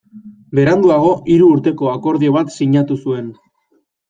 Beranduago hiru urteko akordio bat sinatu zuen.